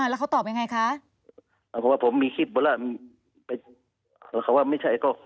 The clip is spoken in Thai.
แล้วเขาตอบยังไงคะอ่าเพราะว่าผมมีคลิปบ่อล่ะไปแล้วเขาว่าไม่ใช่ก็